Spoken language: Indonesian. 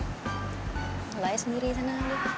ngebayah sendiri sana